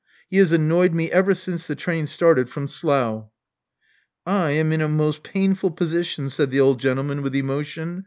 He has annoyed me ever since the train started from Slough." I am in a most painful position," said the old gentleman, with emotion.